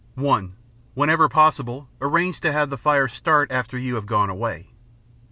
(1) Whenever possible, arrange to have the fire start after you have gone away.